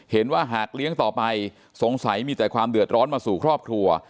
หากเลี้ยงต่อไปสงสัยมีแต่ความเดือดร้อนมาสู่ครอบครัว